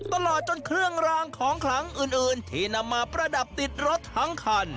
ตลอดจนเครื่องรางของขลังอื่นที่นำมาประดับติดรถทั้งคัน